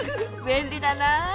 べんりだなあ。